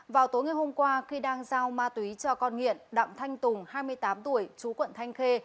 vào tối ngày hôm qua khi đang giao ma túy cho con nghiện đạm thanh tùng hai mươi tám tuổi chú quận thanh khê